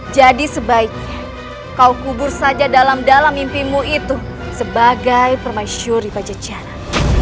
jadi sebaiknya kau kubur saja dalam dalam mimpimu itu sebagai permaisuri bajajara